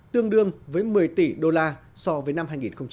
tương đương với một mươi tỷ đô la so với năm hai nghìn một mươi tám